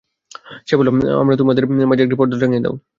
সে বলল, তোমরা তোমাদের ও আমার মাঝে একটি পর্দা টাঙ্গিয়ে দাও।